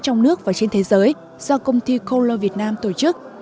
trong nước và trên thế giới do công ty coral bowl việt nam tổ chức